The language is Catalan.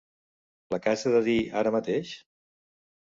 La casa de Dee ara mateix?